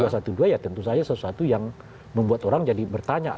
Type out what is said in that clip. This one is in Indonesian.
dua satu dua ya tentu saja sesuatu yang membuat orang jadi bertanya